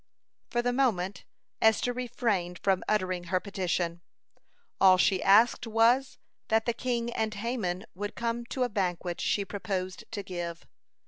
(150) For the moment, Esther refrained from uttering her petition. All she asked was, that the king and Haman would come to a banquet she proposed to give.